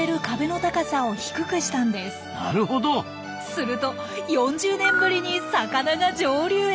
すると４０年ぶりに魚が上流へ！